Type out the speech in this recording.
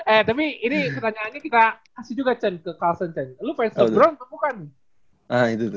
eh tapi ini pertanyaannya kita kasih juga ke carlsen lu fans lebron atau bukan